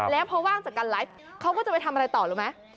แล้วพอว่างจากการไลฟ์เขาก็จะไปทำอะไรต่อรู้ไหม